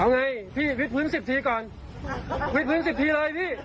นับด้วย๑๒๓๔